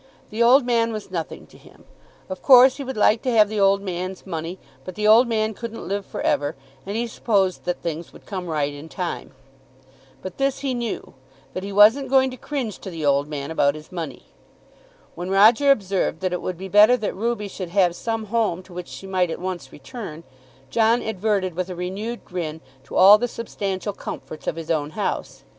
The old man was nothing to him. Of course he would like to have the old man's money; but the old man couldn't live for ever, and he supposed that things would come right in time. But this he knew, that he wasn't going to cringe to the old man about his money. When Roger observed that it would be better that Ruby should have some home to which she might at once return, John adverted with a renewed grin to all the substantial comforts of his own house.